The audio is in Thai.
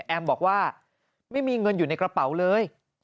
บอกว่าไม่มีเงินอยู่ในกระเป๋าเลย